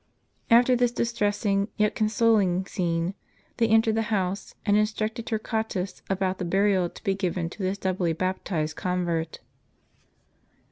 After this distressing, yet consoling, scene, they entered the house, and instructed Torquatus about the burial to be given to this doubly baptized convert.